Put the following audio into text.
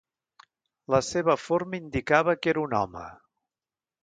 La seva forma indicava que era un home.